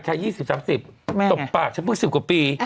๒๐๓๐ตบปากฉันเพิ่ง๑๐กว่าปี